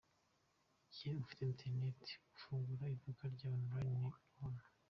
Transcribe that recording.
Igihe ufite internet, gufungura iduka ryawe online ni ubuntu.